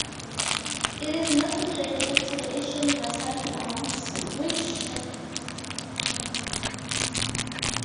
It is not related to the Asian rattan palms, which shares its common name.